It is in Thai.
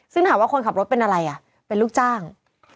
ซึ่งถามว่าคนขับรถเป็นอะไรอ่ะเป็นลูกจ้าง